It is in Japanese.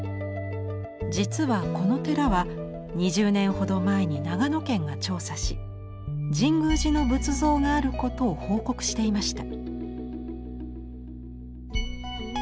実はこの寺は２０年ほど前に長野県が調査し神宮寺の仏像があることを報告していました。